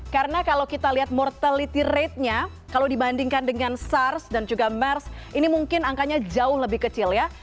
karena kalau kita lihat mortality ratenya kalau dibandingkan dengan sars dan juga mers ini mungkin angkanya jauh lebih kecil ya